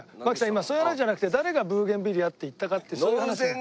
今そういう話じゃなくて誰がブーゲンビリアって言ったかってそういう話。